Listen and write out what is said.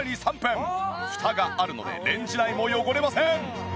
フタがあるのでレンジ内も汚れません！